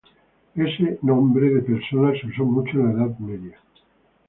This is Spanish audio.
Ese nombre de persona se usó mucho en la Edad Media.